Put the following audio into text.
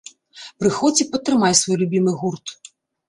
Прыходзь і падтрымай свой любімы гурт!